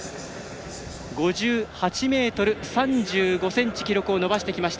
５８ｍ３５ｃｍ記録を伸ばしてきました。